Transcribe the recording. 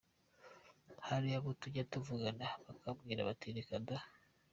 Hari abo tujya tuvugana bakambwira bati “ Reka daaaa!